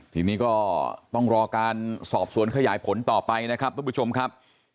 ทีนี้ก็ต้องรอการสอบสวนขยายผลต่อไปนะครับทุกผู้ชมครับ